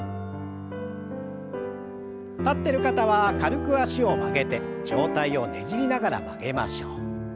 立ってる方は軽く脚を曲げて上体をねじりながら曲げましょう。